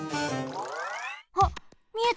あっみえた。